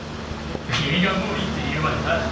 きみがもういいっていうまでさ。